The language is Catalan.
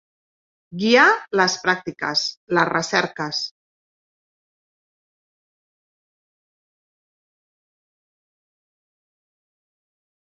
Guiar les pràctiques, les recerques.